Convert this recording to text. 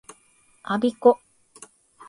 我孫子